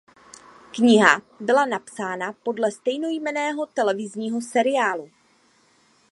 Kniha byla napsána podle stejnojmenného televizního seriálu.